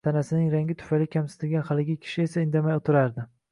Tanasining rangi tufayli kamsitilgan haligi kishi esa indamay oʻtirardi.